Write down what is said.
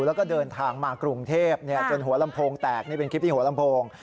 แล้วก็เดินทางมากรุงเทพจนหัวลำโพงแตกนี่เป็นคลิปที่หัวลำโพง